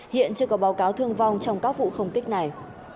hiện chưa có báo cáo thương vong trong các vụ không kích này